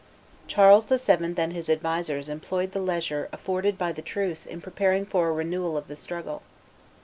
Charles VII. and his advisers employed the leisure afforded by the truce in preparing for a renewal of the struggle.